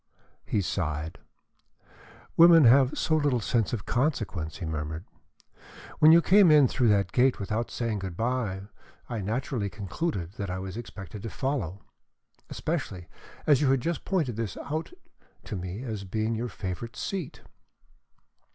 He sighed. "Women have so little sense of consequence," he murmured. "When you came in through that gate without saying good bye, I naturally concluded that I was expected to follow, especially as you had just pointed this out to me as being your favorite seat."